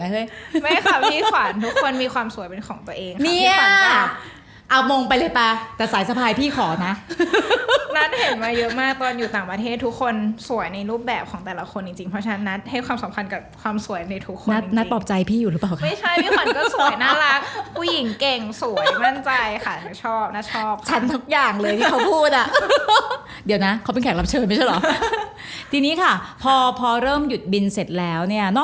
เอามงไปเลยป่ะแต่สายสะพายพี่ขอนะนัทเห็นมาเยอะมากตอนอยู่ต่างประเทศทุกคนสวยในรูปแบบของแต่ละคนจริงจริงเพราะฉะนั้นนัทให้ความสำคัญกับความสวยในทุกคนนัทปลอบใจพี่อยู่หรือเปล่าค่ะไม่ใช่พี่ขวัญก็สวยน่ารักผู้หญิงเก่งสวยมั่นใจค่ะชอบนัทชอบชั้นทุกอย่างเลยที่เขาพูดอะเดี๋ยวนะเขาเป็นแขกรับเ